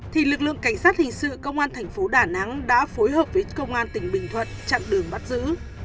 thì lực lượng cảnh sát hình sự công an thành phố đà nẵng đã phối hợp với công an tỉnh bình thuận chặn đường bắt giữ